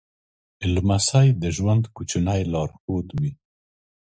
لمسی د ژوند کوچنی لارښود وي.